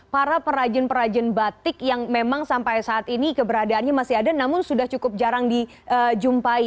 para perajin perajin batik yang memang sampai saat ini keberadaannya masih ada namun sudah cukup jarang dijumpai